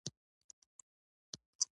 د ډول ډول مسالو او خوړو بویونه خپاره دي.